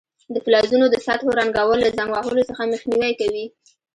د فلزونو د سطحو رنګول له زنګ وهلو څخه مخنیوی کوي.